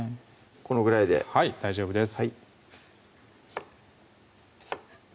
このぐらいではい大丈夫です